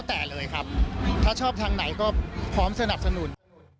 ถ้าชอบทางไหนก็พร้อมสนับสนุน